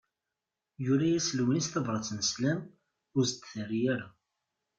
Yura-yas Lewnis tabrat n sslam, ur s-d-terri ara.